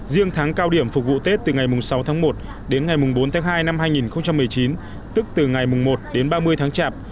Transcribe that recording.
riêng tháng cao điểm phục vụ tết từ ngày sáu tháng một đến ngày bốn tháng hai năm hai nghìn một mươi chín tức từ ngày một đến ba mươi tháng chạp